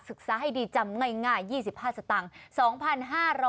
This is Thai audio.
ศึกษาให้ดีจำง่าย๒๕สตางค์๒๕๐๐บาท